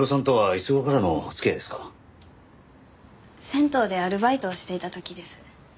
銭湯でアルバイトをしていた時です。